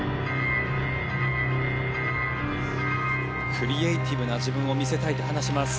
クリエーティブな自分を見せたいと話します。